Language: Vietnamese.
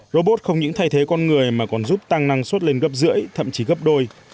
robot không những thay thế con người mà còn giúp tăng năng suất lên gấp rưỡi thậm chí gấp đôi